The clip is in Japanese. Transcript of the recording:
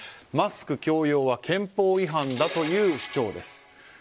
マスク強要は憲法違反だという主張です。